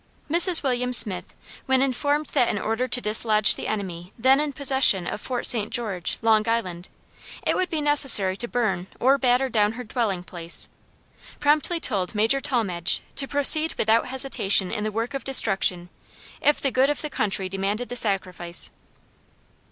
Mrs. William Smith, when informed that in order to dislodge the enemy then in possession of Fort St. George, Long Island, it would be necessary to burn or batter down her dwelling house, promptly told Major Tallmadge to proceed without hesitation in the work of destruction, if the good of the country demanded the sacrifice.